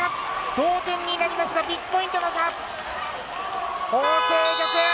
同点になりますが、ビッグポイントの差。